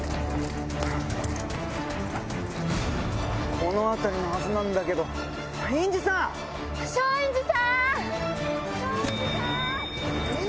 この辺りのはずなんだけど、松陰寺さん。